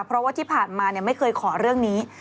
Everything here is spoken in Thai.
เพราะว่าที่ผ่านมาไม่เคยขอเรื่องนี้